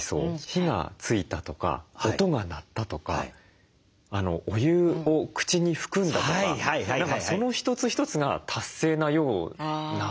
火がついたとか音が鳴ったとかお湯を口に含んだとかその一つ一つが達成なような。